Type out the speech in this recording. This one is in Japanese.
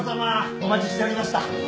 お待ちしておりました。